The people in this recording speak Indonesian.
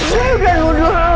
saya udah ngundur